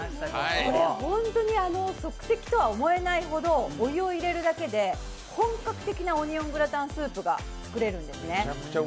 これ本当に即席とは思えないほどお湯を入れるだけで本格的なオニオングラタンスープが作れるんですね。